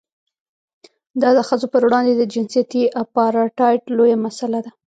دا د ښځو پر وړاندې د جنسیتي اپارټایډ لویه مسله ده.